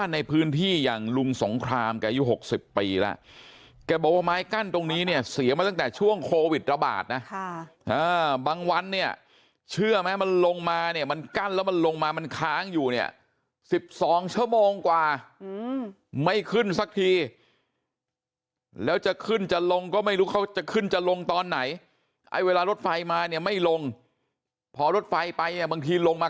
ในพื้นที่อย่างลุงสงครามแกอายุ๖๐ปีแล้วแกบอกว่าไม้กั้นตรงนี้เนี่ยเสียมาตั้งแต่ช่วงโควิดระบาดนะบางวันเนี่ยเชื่อไหมมันลงมาเนี่ยมันกั้นแล้วมันลงมามันค้างอยู่เนี่ย๑๒ชั่วโมงกว่าไม่ขึ้นสักทีแล้วจะขึ้นจะลงก็ไม่รู้เขาจะขึ้นจะลงตอนไหนไอ้เวลารถไฟมาเนี่ยไม่ลงพอรถไฟไปอ่ะบางทีลงมา